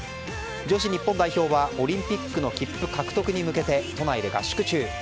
女子日本代表はオリンピックの切符獲得に向けて都内で合宿中。